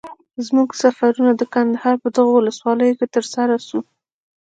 زموږ سفرونه د کندهار په دغو ولسوالیو کي تر سره سو.